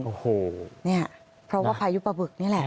โอ้โหเนี่ยเพราะว่าพายุปะบึกนี่แหละ